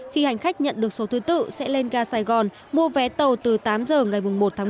khi hành khách nhận được số thứ tự sẽ lên ga sài gòn mua vé tàu từ tám giờ ngày một tháng một mươi